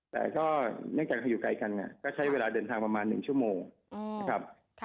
แต่ก็เนื่องจากอยู่ไกลกันก็ใช้เวลาเดินทางประมาณ๑ชั่วโมงนะครับ